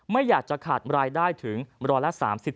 ไม่อยากจะขาดรายได้ถึงร้อยละ๓๐